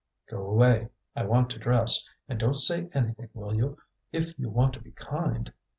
"Go away; I want to dress. And don't say anything, will you, if you want to be kind?"